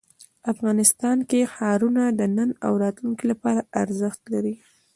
افغانستان کې ښارونه د نن او راتلونکي لپاره ارزښت لري.